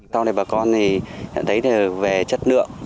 sau này bà con thì nhận thấy về chất lượng